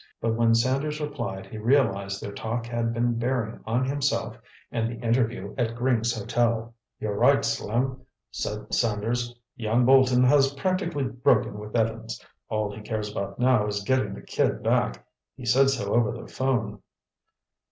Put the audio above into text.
But when Sanders replied, he realized their talk had been bearing on himself and the interview at Gring's Hotel. "You're right, Slim," said Sanders. "Young Bolton has practically broken with Evans. All he cares about now is getting the kid back. He said so over the phone."